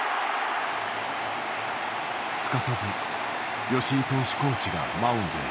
すかさず吉井投手コーチがマウンドへ。